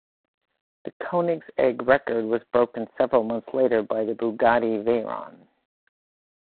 The Koenigsegg record was broken several months later by the Bugatti Veyron.